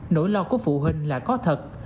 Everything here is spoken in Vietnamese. nỗi lo của phụ huynh là có thật